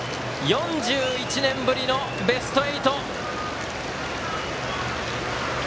４１年ぶりのベスト８！